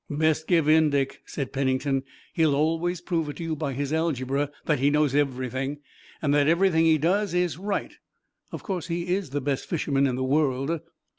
"Best give in, Dick," said Pennington. "He'll always prove to you by his algebra that he knows everything, and that everything he does is right. Of course, he's the best fisherman in the world!"